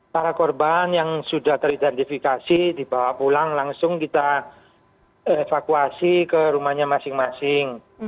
para korban yang sudah teridentifikasi dibawa pulang langsung kita evakuasi ke rumahnya masing masing